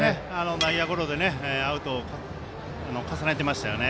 内野ゴロでアウトを重ねていましたよね。